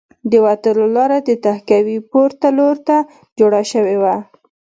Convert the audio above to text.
د وتلو لاره د تهکوي پورته لور ته جوړه شوې وه